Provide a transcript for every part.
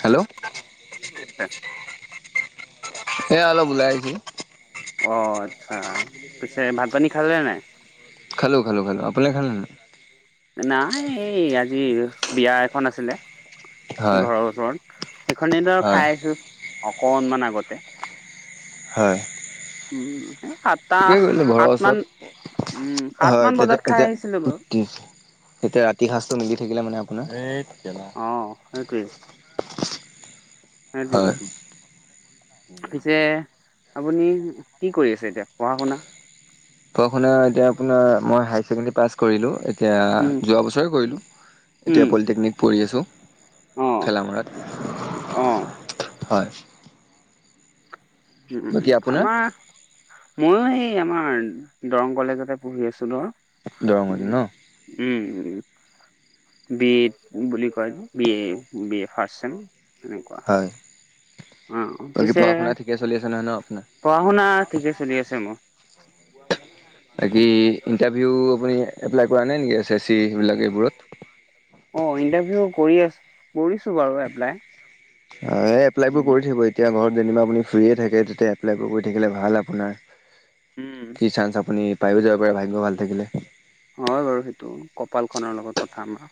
Hello কি কৰি আছা? এয়া অলপ ওলাই আহিছোঁ। অহ, আচ্ছা। পিছে ভাত পানী খালেনে নাই? খালোঁ খালোঁ খালোঁ আপুনি খালে নে নাই? নাই এই আজি বিয়া এখন আছিলে। হয় ঘৰৰ ওচৰত সেইখনে [unintelligible] হয় খাই আছো অকনমান আগতে। হয়। সাতটা ঠিকে কৰিলে ঘৰৰ সাত মান। ওচৰত উম সাত হয় মান তেতিয়া, বজাত খাই এতিয়া আহিছিলো বাৰু। [unintelligible] এতিয়া ৰাতি সাঁজ টো মিলি থাকিলে মানে আপোনাৰ- [unintelligible] অঁ সেইটোৱেই। হয় দি। পিছে আপুনি কি কৰি আছে, এতিয়া পঢ়া শুনা? পঢ় শুনা এতিয়া আপোনাৰ মই হায়াৰ ছেকেণ্ডেৰী পাছ কৰিলো। এত এতিয়া উম -যোৱা বছৰে কৰিলোঁ এতিয়া উম পলিটেকনিক পঢ়ি আছোঁ। অ' খেলাামৰাত অ' উম হয়। উম' উম' বাকী উম' আপোনাৰ আমাৰ। মইএই আমাৰ দৰং কলেজতে পঢ়ি আছো ধৰ দৰঙতে ন উম'। উম'। বিয়েত বুলি কয় বিয়ে, বিয়ে ফাৰ্ষ্ট ছেম এনেকুৱা। হয় অ বাকী পিছে পঢ়া শুনা ঠিকে চলি আছে ন নাই পঢ়া শুনা ঠিকে চলি আছে মোৰ। বুঢ়া মানুহ নহয়। তাকেই ইণ্টাৰভিউ আপুনি এপ্লাই কৰা নাই নেকি এচ এচ চি সেইবিলাক এইবোৰত। অ' ইণ্টাৰভিউ কৰি আছো, কৰিছো বাৰু এপ্লাই। অ' এই এপ্লাই বোৰ উম কৰি থাকিব এতিয়া মই যেনিবা আপুনি ফ্ৰিয়ে থাকে, তেতিয়া এপ্লাই বোৰ কৰি থাকিলে ভাল আপোনাৰ। উম কি চান্স আপুনি পায়ো যাব পাৰে ভাগ্য ভাল থাকিলে। হয় বাৰু সেইটো কপাল খনৰ লগত কথা আমাৰ।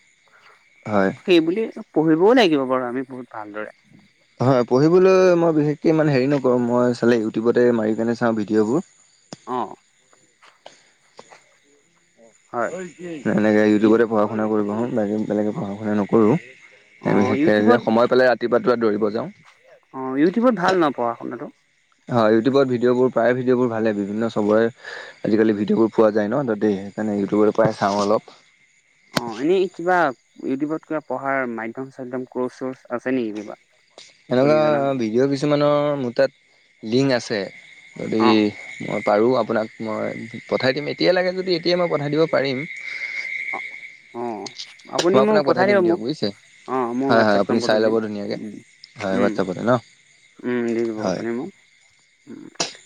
হয়। সেইবুলি সব পঢ়িবও লাগিব বাৰু আমি বহুত ভালদৰে। হয় পঢ়িবলৈ মই বিশেষকৈ ইমান হেৰি নকৰোঁ মই চালে ইউটিউবতে মাৰিিকনে চাওঁ ভিডিঅ'বোৰ। অ'। হয় এনেকৈ ই ইউটিউবতে পঢ়া শুনা কৰিব মন যায় বেলেগে অ পঢ়া শুনা নকৰোঁ। অ এনেকে যে ইউটিউবত সময় পালে ৰাতিপুৱাতো দৌৰিব যাওঁ। অঁ ইউটিউবত ভাল নাপাওঁ পঢ়া শুনাটো। হয় ইউটিউবত ভিডিঅ' বোৰ প্ৰায় ভিডিঅ'বোৰ ভালে বিভিন্ন চবৰে। আজিকালি ভিডিঅ'বোৰ পোৱা যায় ন তাতেই সেইকাৰণে ইউটিউবৰ পৰাই চাওঁ অলপ। অহ, এনেই কিবা ইউটিউবত কিবা পঢ়াৰ মাধ্যম চাধ্যম ক্ৰৰ্চ-চৰ্চ আছে নেকি কিবা? আপুনি এনেকুৱা জনা ভিডিঅ' কিছুমানৰ মোৰ তাত লিংক আছে অ যদি- অ মই পাৰোঁ আপোনাক মই পঠাই দিম এতিয়াই লাগে যদি এতিয়াই মই পঠাই দিব পাৰিম। অ'। আপুনি মই মোক আপোনাক পঠাই পথায় দিব, দিম দিয়ক মোক বুজিছে অ' মোৰ হয় হয় হটছআপ আপুনি নম্বৰ টো চাই ল'ব দিম, ধুনীয়াকৈ উম। হয় উম হোবাতচাপট ন। উম দি দিব হয় আপুনি মোক, উ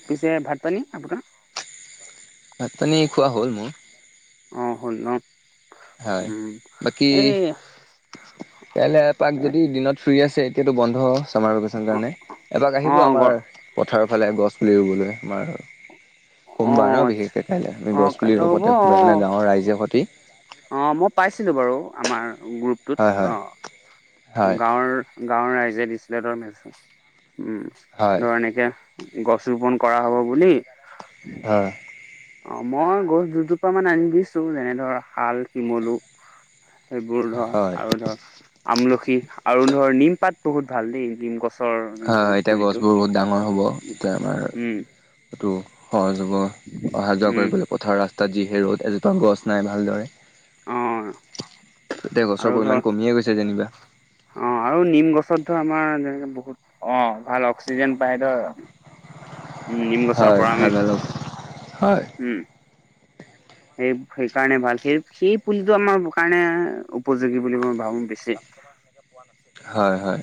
পিছে ভাত পানী আপোনাৰ? ভাত পানী খোৱা হ'ল মোৰ। অ' হ'ল ন। হয় উম বাকী, এই কাইলে আপাক যদি দিনত ফ্ৰী আছে এতিয়ো বন্ধ চামাৰ ভকেন অঁ কাৰণে এপাক আহিব অঁ আমাৰ গৰ পথাৰৰ ফালে গছ পুলি ৰুবলৈ আমাৰ আৰু সোমবাৰ অঁ ন আচ্ছা বিশেষকে কাইলৈ আমি অঁ গছ কাইলৈ পুলিৰ ওপতে সোমবাই মানে গাঁৱৰ ৰাইজে সৈতি। অ' মই পাইছিলো বাৰু আমাৰ হয় গ্ৰুপটোত হয় অ'। হয় গাঁৱৰ গাঁৱৰ ৰাইজে দিছিলে, ধৰ মেজ উম হয় ধৰ এনেকে গছ ৰোপন কৰা হব বুলি। হয় অ' মই গছ দুজোপা মান আনি দিছো যেনে ধৰ শাল, শিমলু। সেইবোৰ ধৰ হয় আৰু ধৰ আমলখি আৰু ধৰ নিম পাত বহুত ভাল দেই নিম গছ। আহ এতিয়া গছবোৰ বহুত ডাঙৰ হ'ব এতিয়া আমাৰ উম সহযোগ অহা যোৱা উম কৰিবলৈ পথাৰৰ ৰাস্তাত যিহে ৰ'দ এজ গছ নাই ভালদৰে, অ এতিয়া আৰু গছৰ ধৰ পৰিমাণ কমিয়ে গৈছে যেনিবা। অ' আৰু নিম গছত ধৰ আমাৰ এনেকে বহুত অ' ভাল অক্সিজেন পায় ন। উম নিম গছৰ হয় পৰা ভাল আমি ভাল হয় উম। সেই সেইকাৰণে ভাল সেই সেই পুলিটো আমাৰ কাৰণে উপযোগী বুলি মই ভাবো বেছি। হয় হয়।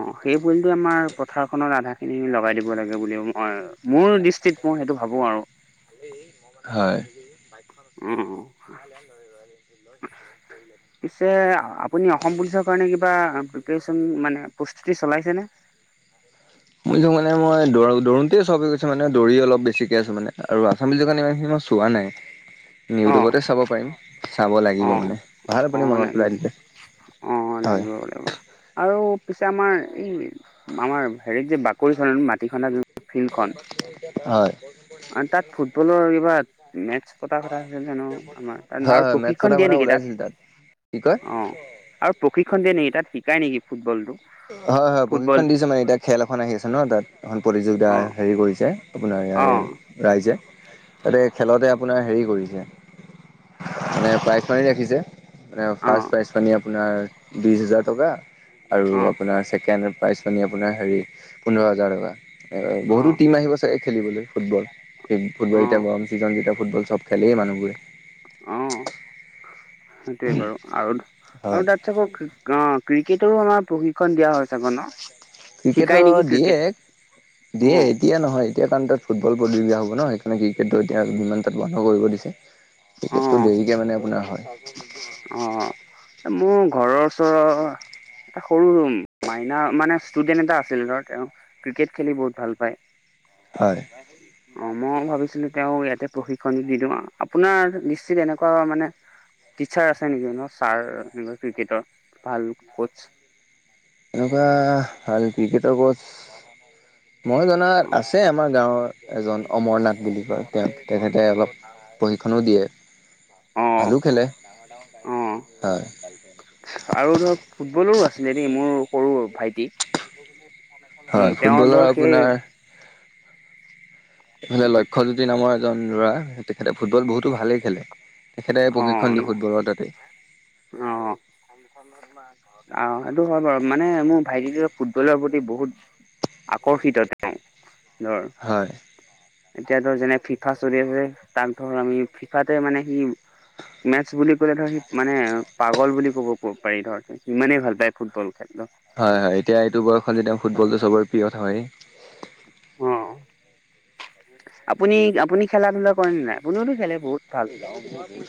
অ' সেই পুলিটোে আমাৰ পথাৰখনত আধা খিনি লগাই দিব লাগে বুলি মই মোৰ দৃষ্টিত মই সেইটো ভাবো আৰু। হয়। উম পিছে আপ আপুনি অসম পুলিচৰ কাৰণে কিবা প্ৰিপাৰেচন মানে প্ৰস্তুতি চলাইছেনে? মই যে মানে মই দৌ দৌ'ৰতে সব হৈ গৈছ দৌৰি অলপ বেছিকে আছো মানে আৰু আমি যোগান ইমানখিনি মই চোৱা নাই, অ', ইউটিউবতে চাব পাৰিম। চাব লাগিব অ' মানে ভাল আপুনি অ' মনত পেলাই লাগিব দিলে অ' হয় লাগিব। আৰু পিছে আমাৰ এই আমাৰ হেৰিত যে বাকৰি চোৰেন মাটিখন হয়। তাত ফুটবলৰ কিবা মেটচ পতা কথাছিল জানো আমাৰ আৰু হয় মেথছ সোধা প্ৰশিক্ষণ দিয়ে কথা নেকি ওলাইছিল তাত, কি কয় অ'। আৰু প্ৰশিক্ষণ দিয়ে নেকি তাত শিকাই নেকি ফুটবল টো? হয় হয় প্ৰশিক্ষন দিছো মানে এতিয়া খেল এখন আহি আছে ন তাত এখন প্ৰতিযোগিতা অ', হেৰি কৰিছে। আপোনাৰ ইয়াৰে অ', ৰাইজে তাতে খেলতে আপোনাৰ হেৰি কৰিলে। মানে প্ৰাইজ মানি ৰাখিছে। মানে ফাষ্ট অ', প্ৰাইজ মানী আপোনাৰ বিশ হাজাৰ টকা আৰু অ', আহ ছেকেণ্ড প্ৰাইজ মানী আপোনাৰ হেৰি পোন্ধৰ হাজাৰ টকা বহুতো টিম আহিব চাগে। খেলিবলৈ ফুটবল সেই ফুটবল এতিয়া অ', গৰম ছিজন যেতিয়া ফুটবল চব খেলেই মানুহবোৰে। অ' সেইটোৱে বাৰু আৰু হয় আৰু তাত অ' ক্ৰিকেটৰো আমাৰ প্ৰশিক্ষণ দিয়া হয় চাগে ন। শিকাই ক্ৰিকেটৰ নেকি দিয়ে, ক্ৰিকেট দিয়ে। অ এতিয়া নহয় এতিয়া কাৰণ তাত ফুটবল প্ৰতিযোগিতা হ'ব ন সেইকাৰণে ক্ৰিকেটটো এতিয়া বন্ধ কৰিব দিছে। অ ক্ৰিকেটটো দেৰিকে মানে আপোনাৰ হয়। অ' মোৰ ঘৰৰ ওচৰৰ এটা সৰু মাইনা মানে ষ্টুডেন্ট এটা আছিল ধৰ তেওঁ ক্ৰিকেট খেলি বহুত ভাল পায়। হয়। অ, মই ভাবিছিলো তেওঁ ইয়াতে প্ৰশিক্ষণ দি দিওঁ আপোনাৰ নিশ্চিত এনেকুৱা মানে টিচাৰ আছে নেকি ছাৰ এনেকুৱা ক্ৰিকেটৰ ভাল কোচ এনেকুৱা ভাল ক্ৰিকেটৰ কোচ মই অ জনাত আছে আমাৰ গাঁৱৰ। এজন অমৰনাথ বুলি কয় তেওঁ তেখেতে অলপ প্ৰশিক্ষণো দিয়ে। অ ভালো খেলে, অ হয়। [inaudible] আৰু ধৰক ফুটবলৰো আছিলে দেই মোৰ সৰু ভাইটি। হয় উম, তেওঁ ফুটবলৰ ধৰ সেই আপোনাৰ ইফালে লক্ষ্যয়জ্যোতি নামৰ এজন ল'ৰা তেখেতে ফুটবল বহুতো ভালেই খেলে। তেখেতে অ', প্ৰশিক্ষণ ন দি ফুটবলৰ তাতে অ'। অ, সেইটো হয় বাৰু মানে মোৰ ভাইটি ফুটবলৰ প্ৰতি বহুত আকৰ্ষিত তেওঁ ধৰ হয় এতিয়া ধৰ যেনে ফিফা চলি আছে তাক ধৰ আমি ফিফাতে মানে সি মেটছ বুলি ক'লে ধৰ সি মানে পাগল বুলি ক'ব পাৰি ধৰ। সিমানেই ভাল পায় ফুটবল খেললে। হয়, হয় এতিয়া এইটো বয়সত যেতিয়া ফুটবলটো চবৰে প্ৰিয় হয়। অ, আপুনি, আপুনি খেলা-ধূলা কৰেনে নাই আপুনিওতো খেলে বহুত ভাল।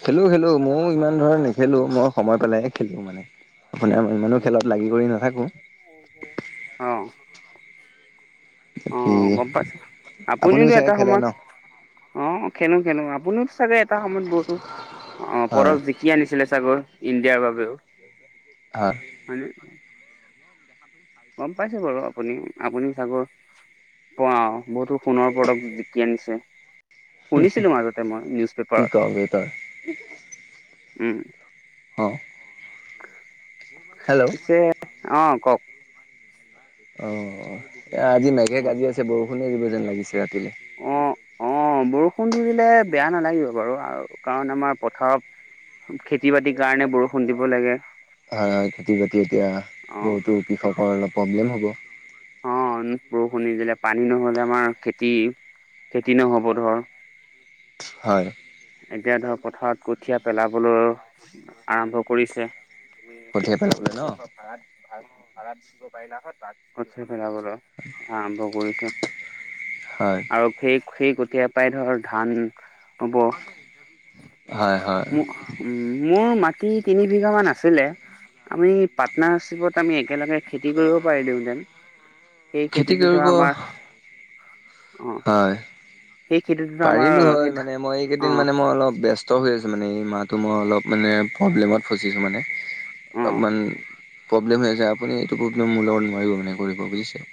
খেলো, খেলো মইও ইমান ধৰা নেখেলো মই সময় পেলাইহে খেলো মানে। আপোনাৰ ইমানো খেলত লাগি কৰি নাথাকো। অ'। অ, বাকী গম পাইছো আপুনিওতো আপুনিও চাগে এটা খেলে সময়ত ন? অ, খেলো, খেলো আপুনিও চাগে এটা সময়ত বহুতো অ, হয় পৰশ দি কি আনিছিলে চাগৰ ইণ্ডিয়াৰ বাবেও? হা। হয়ে। গম পাইছেো বাৰু আপুনি, আপুনি চাগৰ। পোৱা বহুতো সোণৰ প্ৰডক্ট জিকি আনিছে। শুনিছিলো মাজতে মই নিউজ কি পেপাৰ কম্পিউটাৰ উম। অ'। হেল্ল' পিছে অ, কওক? অ, এ আজি মেঘে কাজি আছে বৰষুণে দিব যেন লাগিছে ৰাতিলৈ। অ', অ', বৰষুণ ধৰিলে বেয়া নালাগিব বাৰু আৰু কাৰণ আমাৰ পথাৰত খেতি বাতিৰ কাৰণে বৰষুণ দিব লাগে। হয়, হয়, খেতি-বাতি এতিয়া অ বহুতো কৃষকৰ অলপ প্ৰব্লেম হ'ব। অ বৰষুণ নি দিলে পানী নহ'লে আমাৰ খেতি, খেতি নহ'ব ধৰ। হয়। এতিয়া ধৰ পথাৰত কঠিয়া পেলাবলৈ আৰম্ভ কৰিছে। কঠিয়াই পেলাবলৈ ন? ভাৰ দ, বাতছে ফেল বল আৰম্ভ কৰিছে। হয়। আৰু সেই, সেই কঠীয়া পৰাই ধৰ ধান হ'ব। হয় হয় মোক। উ, মোৰ মাটি তিনি বিঘা মান আছিলে আমি পাৰ্টনাৰশ্বিপত আমি একেলগে। খেতি কৰিব পাৰি দিওঁতেন সেই খেতি খেতিটো কৰিব ধৰ আমাৰ অ হয় সেই খেতিটোতো আমাৰ পাৰিলোঁ সেই হয় মানে মই অ এইকেইদিন মানে মই অলপ ব্যস্ত হৈ। মানে এই মাহটো মই অলপ মানে প্ৰব্লেমত ফচিছো মানে অ অলপমান প্ৰব্লেম হৈ আছে আপুনি এইটো প্ৰব্লেম মোৰ লগত নোৱাৰিব মানে কৰিব বুজিছে।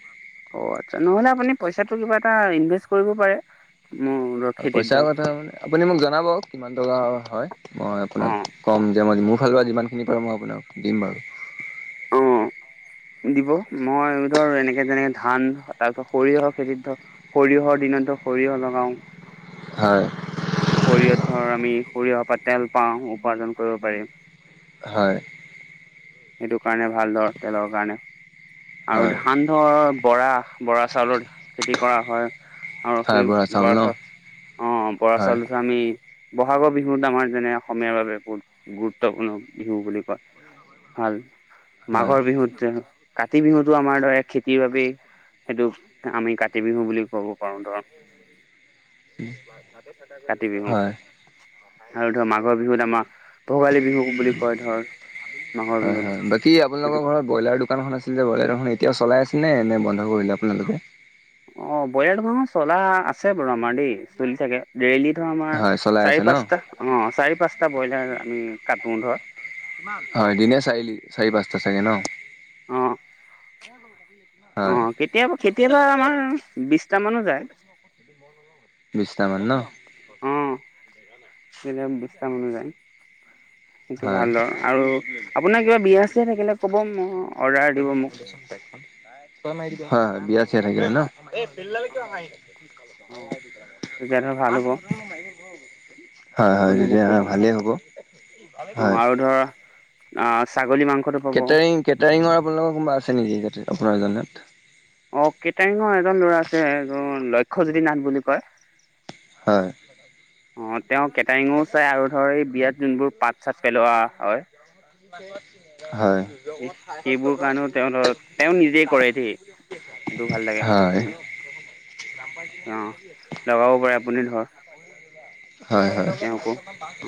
অ', আচ্ছা নহলে আপুনি পইচাটো কিবা এটা ইনভেষ্ট কৰিব পাৰে। হয় খেতিত পইচাৰ ধৰক কথা মানে আপুনি মোক জনাব কিমান টকা হয়। মই অ আপোনাক ক'ম যে মই মোৰ ফালৰ পৰা যিমানখিনি পাৰো মই আপোনাক দিম বাৰু। অ দিব মই ধৰ এনেকে যেনেকে ধান তাৰপিছত সৰিয়হৰ খেতিত ধৰ সৰিয়হৰ দিনতো সৰিয়হ লগাও। হয়। সৰিয়হত ধৰ আমি সৰিয়হৰ পৰা তেল পাওঁ উপাৰ্জন কৰিব পাৰি হয়। সেইটো কাৰণে ভাল ধৰ তেলৰ কাৰণে আৰু হয় ধান ধৰ বৰা বৰা চাউলৰ খেতি কৰা হয়। আৰু সেই বৰা চাউল অ', বৰা হয় চাউল আমি ব'হাগৰ বিহুত আমাৰ যেনে অসমীয়াৰ বাবে কত গুৰুত্বপূৰ্ণ বিহু বুলি কয়, ভাল হয় মাঘৰ বিহুত যে কাতি বিহুতো আমাৰ ধৰা খেতিৰ বাবেই সেইটোক আমি কাতি বিহু বুলি ক'ব পাৰো ধৰ। কাতি বিহু হয় আৰু ধৰ মাঘৰ বিহুত আমাৰ ভোগালী বিহু বুলি কয় ধৰ মাঘৰ হয় হয় বিহুত বাকী আপোনালোকৰ সেইটো ঘৰত ব্ৰইলাৰ দোকানখন আছিল যে ব্ৰইলাৰ দখন এতিয়াও চলাই আছেনে নে বন্ধ কৰিলে আপোনালোকে? অ', বইলাৰ দোকানখন চলা আছে বাৰু আমাৰ দেই চলি থাকে। ডেইলি ধৰ আমাৰ হয় চলাই আছে চাৰি ন পাঁচটা অ', চাৰি পাঁচটা ব্ৰইলাৰ আমি কাটো ধৰ। হয়, দিনে চাৰি চাৰি পাঁচটা চাগে ন? অ', হয় অ' কেতিয়াবা কেতিয়াবা আমাৰ বিছটা মানো যায়। [inaudible] বিছটামান ন? উম দিনে বিছটা মান যায়। সেইটো হয় হয় ভালৰ আৰু আপোনাৰ কিবা বিয়া আছে থাকিলে ক'ব ম অৰ্ডাৰ দিব মোক। হয় হয় বিয়া চিয়া থাকিলে ন? [inaudible] অ অ তেতিয়া ধৰ ভাল হ'ব হয় হয় আপুনি মোক তেতিয়া ক'ব ভালেই হ'ব। অ', হয় আৰু ধৰ অ', ছাগলী মাংস কেটাৰিং কেটাৰিঙৰ আপোনালোকৰ কোনোবা আছে নেকি আপোনাৰ জনাত? অ', কেটাৰিঙৰ এজন ল'ৰা আছে, লক্ষ্যজ্যোতি নাথ বুলি কয়। হয়। অ', তেওঁ কেটাৰিঙো চাই আৰু ধৰ এই বিয়াত যোনবোৰ পাট চাট পেলোৱা হয় হয় সেইবোৰ কাৰণে তেওঁ তেওঁ নিজেই কৰে দেই। সেইটোও ভাল লাগে, হয় উম। অ', লগাব পাৰে আপুনি ধৰ। হয় হয়। তেওঁকো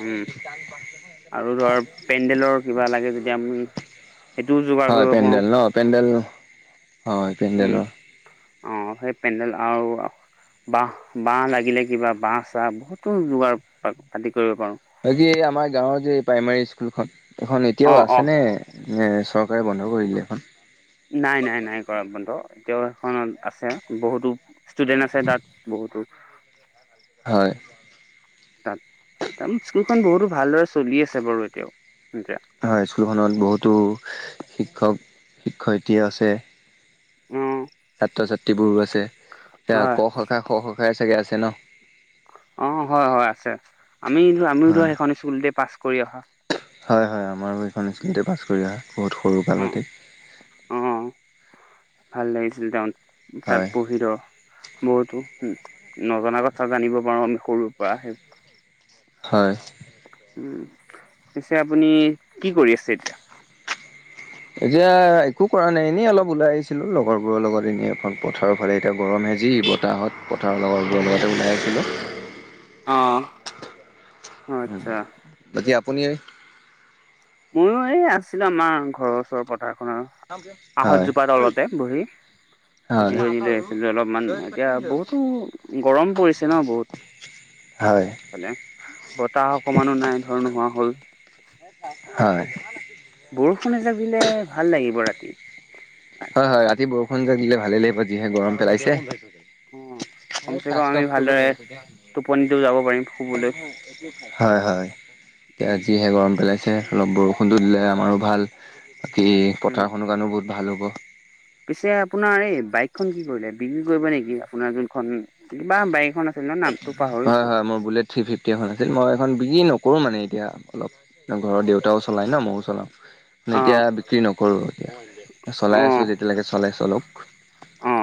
উম আৰু ধৰ পেণ্ডেলৰ কিবা লাগে যেতিয়া আমি সেইটোও যোগাৰ হয় কৰিব পেণ্ডেল পাৰোঁ। ন পেণ্ডেল হয় উম পেণ্ডেলৰ। অ', সেই পেণ্ডেল আৰু বাঁহ বাঁহ লাগিলে কিবা বাঁহ চাহ বহুতো যোগাৰ পাতি কৰিব পাৰোঁ। বাকি এই আমাৰ গাঁৱৰ যে এই প্ৰাইমোৰী স্কুলখন এইখন এতিয়াও অ অ আছেনে নে চৰকাৰে বন্ধ কৰিলে এইখন? নাই নাই নাই কৰা বন্ধ, এতিয়াও সেইখনত আছে বহুতো ষ্টুডেন্ট আছে তাত বহুতো। হয়। তাত তাৰমানে স্কুলখন বহুতো ভালদৰে চলি আছে বাৰু এতিয়াও এতিয়া হয় স্কুলখনত বহুতো শিক্ষক শিক্ষয়িত্ৰী আছে। উম ছাত্ৰ ছাত্ৰীবোৰো আছে, এতিয়া হয় ক শখাই খ শখাই চাগে আছে ন? অ' হয় হয় আছে, আমি আমিও ধৰা হয় সেইখন স্কুলতে পাছ কৰি অহা হয় হয় ময়ো সেইখন স্কুলতে পাছ কৰি অহা, বহুত অ সৰুকালতে। অ', ভাল লাগিছিল, তেওঁ তাত হয় পহি ধৰ। বহুতো উ, নজনা কথা জানিব পাৰো আমি সৰুৰ পৰা সেই হয়। উম, পিছে আপুনি কি কৰি আছে এতিয়া? এতিয়া একো কৰা নাই, এনেই অলপ ওলাই আহিছিলো লগৰবোৰৰ লগত এনেই এখন পথাৰৰ ফালে এতিয়া গৰম সেজি ব বতাহত পথাৰৰ লগৰ বোৰৰ লগতে ওলাই আহিছিলোঁ। অ'। হে, আচ্ছা বাকি আপুনি ময়ো এই আছিলো আমাৰ ঘৰৰ ওচৰৰ পথাৰখনৰ হয় আঁহতজোপা তলতে, বহি। হয় জিৰণি লৈ আছিলো অলপমান এতিয়া বহুতো গৰম পৰিছে ন বহুত। হয় হলেং, বতাহ অকমানো নাই ধৰ নোহোৱা হ'ল। হয়। বৰষুণ এজাক দিলে, ভাল লাগিব ৰাতি। হয়-হয়, ৰাতি বৰষুণ এজাক দিলে ভালেই লাগিব যিহে গৰম পেলাইছে। অ সেই কমচে কম টাক্সটো আমি অফ কৰিব ভালদৰে লাগিব তেতিয়াহে টোপনিটো যাব পাৰিম ভাল শুবলৈ হ'ব, এইটো চা, হয়-হয় হয়-হয়, ইয়াত যিহে গৰম পেলাইছে অলপ বৰষুণটো দিলে আমাৰো ভাল। বাকী উম পথাৰখনৰ কাৰণেও বহুত ভাল হ'ব। পিছে আপোনাৰ এই বাইকখন কি কৰিলে? বিক্ৰী কৰিব নেকি আপোনাৰ যোনখন কিবা বাইকখন আছ খনৰ নামটো পাহৰিছো। থ্ৰী-ফিফটি এখন আছিল, মই এখন বিক্ৰী নকৰোঁ মানে এতিয়া, অলপ, ঘৰৰ দেউতাও চলায় ন ময়ো চলাওঁ। অ এতিয়া বিক্ৰী নকৰো এতিয়া, অ চলাই আছো যেতিয়ালৈকে চলে চলক। অ